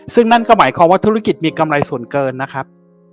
ซึ่งนั่นก็หมายความว่าธุรกิจมีกำไรส่วนเกินนะครับ